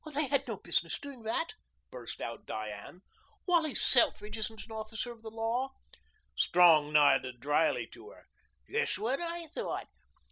"They had no business doing that," burst out Diane. "Wally Selfridge isn't an officer of the law." Strong nodded dryly to her. "Just what I thought.